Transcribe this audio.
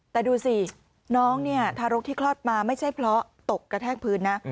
แต่ดูสิน้องเนี่ยทารกที่คลอดมาไม่ใช่เพราะตกกระแทกพื้นนะ